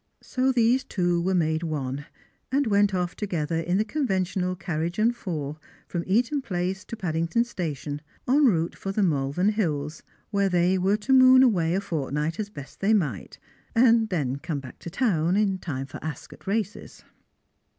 So these two were made one, and went oiF together in the con ventional carriage and fonr from Eaton place to Paddingtcn Station, en route for the Malvern Hills, where they were to moou away a fortnight as best they might, and then come back to town in time for Ascot races.